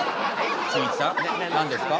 しんいちさん何ですか？